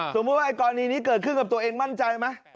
สมมุติว่าไอกรณีนี้เกิดขึ้นกับตัวเองมั่นใจไหม